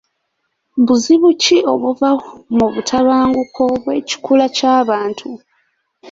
Buzibu ki obuva mu butabanguko obw'ekikula ky'abantu?